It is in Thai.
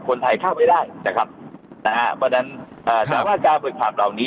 คนไทยเข้าไปได้นะครับนะฮะเพราะฉะนั้นอ่าสามารถการฝึกขับเหล่านี้